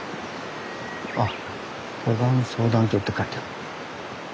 あっ登山相談所って書いてある。